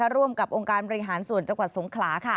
ร่วมกับองค์การบริหารส่วนจังหวัดสงขลา